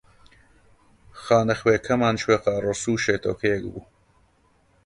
خانەخوێکەمان کوێخا ڕەسوو شێتۆکەیەک بوو